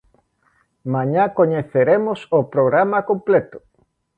Mañá coñeceremos o programa completo.